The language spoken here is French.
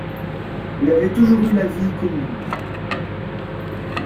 Ils avaient toujours eu la vie commune.